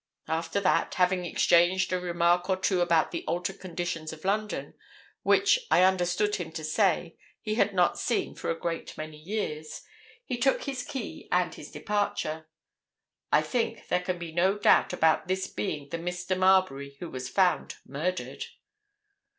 After that, having exchanged a remark or two about the altered conditions of London, which, I understood him to say, he had not seen for a great many years, he took his key and his departure. I think there can be no doubt about this being the Mr. Marbury who was found murdered."